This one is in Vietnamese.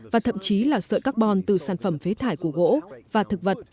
và thậm chí là sợi carbon từ sản phẩm phế thải của gỗ và thực vật